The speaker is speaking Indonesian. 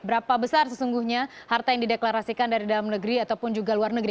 berapa besar sesungguhnya harta yang dideklarasikan dari dalam negeri ataupun juga luar negeri